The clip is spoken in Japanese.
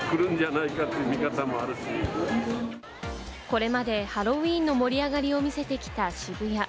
これまでハロウィーンの盛り上がりを見せてきた渋谷。